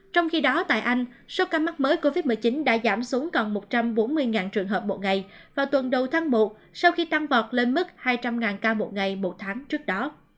trong khi đó tại anh số ca mắc mới covid một mươi chín đã giảm xuống còn một trăm bốn mươi trường hợp một ngày vào tuần đầu tháng một sau khi tăng vọt lên mức hai trăm linh ca một ngày một tháng trước đó